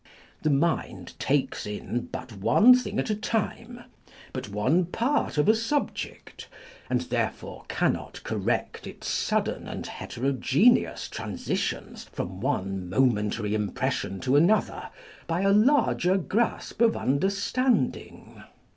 The mind takes in but one thing at a time, but one part of a subject, and therefore cannot correct its sudden and heterogeneous transitions from one momentary impression to another by a larger grasp of understanding.